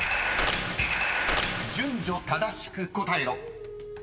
［順序正しく答えろ］